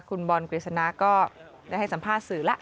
คุณบอลกฤษณะก็ได้ให้สัมภาษณ์สื่อแล้ว